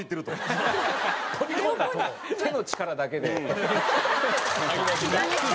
手の力だけで。